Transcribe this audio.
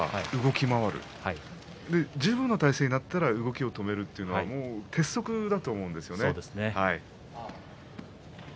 自分十分の体勢になったら動きを止めるというのが鉄則だと思うんですがね。